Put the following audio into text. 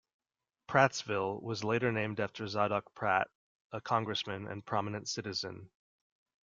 Prattsville was later named after Zadock Pratt, a congressman and prominent citizen.